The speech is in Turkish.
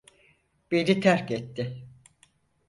Beni terk etti.